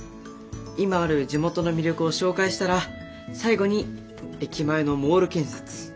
今ある地元の魅力を紹介したら最後に駅前のモール建設。